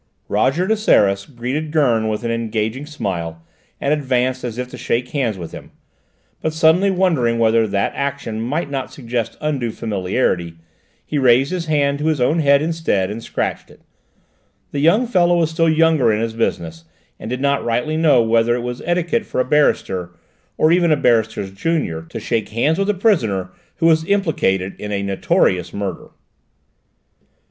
Roger de Seras greeted Gurn with an engaging smile and advanced as if to shake hands with him, but suddenly wondering whether that action might not suggest undue familiarity, he raised his hand to his own head instead and scratched it; the young fellow was still younger in his business, and did not rightly know whether it was etiquette for a barrister, or even a barrister's junior, to shake hands with a prisoner who was implicated in a notorious murder.